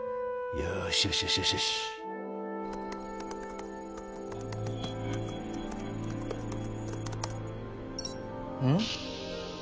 よしよしよしよしうん？